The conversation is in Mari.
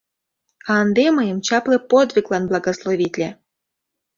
А ынде мыйым чапле подвиглан благословитле.